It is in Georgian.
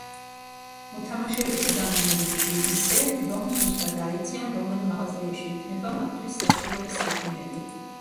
მოთამაშეები დგანან რიგში, ისე, რომ ზუსტად არ იციან, რომელ მაღაზიაში იქნება მათთვის სასურველი საქონელი.